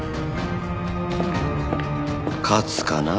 勝つかな？